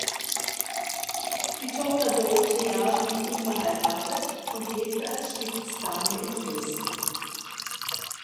Die Tochter Dorothea blieb unverheiratet und lebte als Stiftsdame in Dresden.